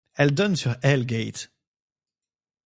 Elle donne sur Hell Gate.